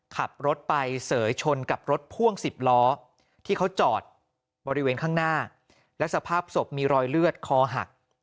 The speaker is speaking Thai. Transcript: ขับรถไปเสยชนกับรถพ่วง๑๐ล้อที่เขาจอดบริเวณข้างหน้าและสภาพศพมีรอยเลือดคอหัก